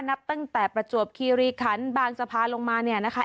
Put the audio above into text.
นับตั้งแต่ประจวบคีรีคันบางสะพานลงมาเนี่ยนะคะ